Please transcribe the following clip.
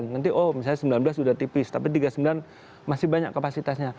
nanti oh misalnya sembilan belas sudah tipis tapi tiga puluh sembilan masih banyak kapasitasnya